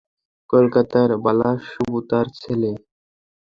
কলকাতার বালাসুবু, তার ছেলে।